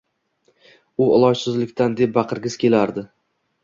U ilojsizlikdan deb baqirgisi kelardi.